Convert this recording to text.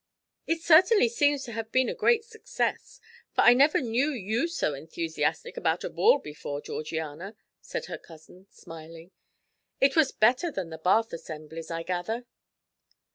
"It certainly seems to have been a great success, for I never knew you so enthusiastic about a ball before, Georgiana," said her cousin, smiling. "It was better than the Bath assemblies, I gather?"